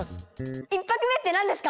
１拍目って何ですか？